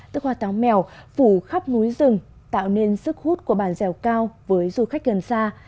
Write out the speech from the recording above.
tức hoa táo mèo phủ khắp núi rừng tạo nên sức hút của bản dèo cao với du khách gần xa